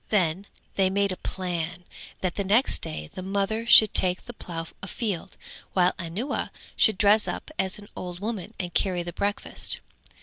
Then they made a plan that the next day the mother should take the plough afield, while Anuwa should dress up as an old woman and carry the breakfast.